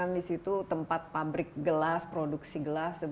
di situ tempat pabrik gelas produksi gelas